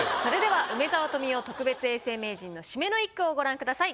梅沢富美男特別永世名人の締めの一句をご覧ください。